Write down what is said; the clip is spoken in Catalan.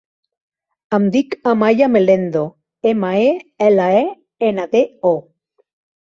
Em dic Amaia Melendo: ema, e, ela, e, ena, de, o.